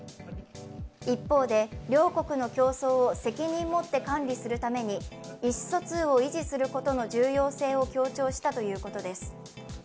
一方で、両国の競争を責任持って管理するために意思疎通を維持することの重要性を強調したということです。